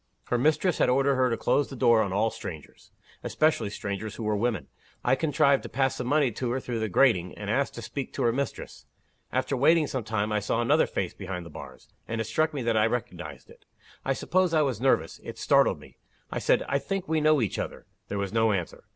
Her mistress had ordered her to close the door on all strangers especially strangers who were women. I contrived to pass some money to her through the grating, and asked to speak to her mistress. After waiting some time, I saw another face behind the bars and it struck me that I recognized it. I suppose I was nervous. It startled me. I said, 'I think we know each other.' There was no answer.